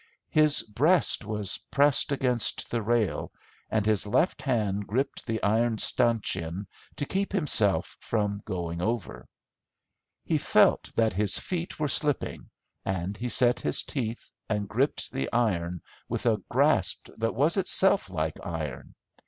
His breast was pressed against the rail and his left hand gripped the iron stanchion to keep himself from going over. He felt that his feet were slipping, and he set his teeth and gripped the iron with a grasp that was itself like iron.